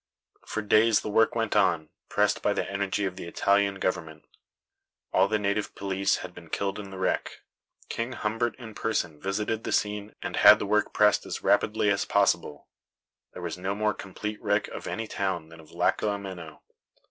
For days the work went on, pressed by the energy of the Italian government. All the native police had been killed in the wreck. King Humbert in person visited the scene and had the work pressed as rapidly as possible. There was no more complete wreck of any town than of Lacco Ameno.